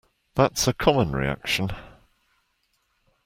That's a common reaction.